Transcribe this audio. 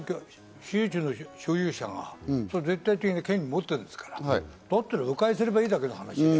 所有者が絶対的な権利を持ってるんですから、だったら迂回すればいいだけの話。